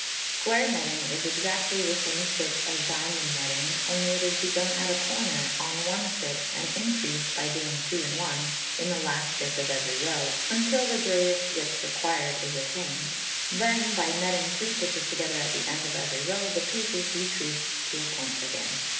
Square Netting is exactly the same stitch as diamond netting, only it is begun at a corner, on one stitch, and increased (by doing two in one) in the last stitch of every row, until the greatest width required is attained. Then, by netting two stitches together at the end of every row, the piece is decreased to a point again.